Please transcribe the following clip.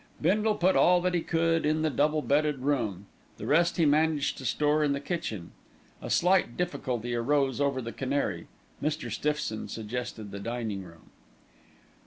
Bindle put all he could in the double bedded room, the rest he managed to store in the kitchen. A slight difficulty arose over the canary, Mr. Stiffson suggested the dining room.